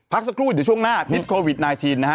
สักครู่เดี๋ยวช่วงหน้าพิษโควิด๑๙นะฮะ